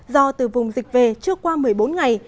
do từ vùng dịch về chưa qua một mươi bốn ngày